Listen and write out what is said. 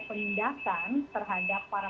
penindasan terhadap para